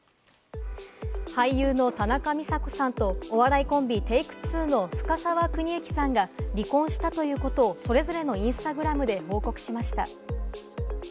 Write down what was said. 俳優の田中美佐子さんと、お笑いコンビ・Ｔａｋｅ２の深沢邦之さんが離婚したということをそれぞれのインスタグラムで報告しました。